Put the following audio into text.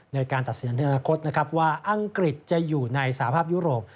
ในการตัดสินในธนาคตว่าอังกฤษจะอยู่ในสาภาพยุโรป